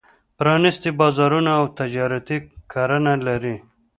پرانېستي بازارونه او تجارتي کرنه لري.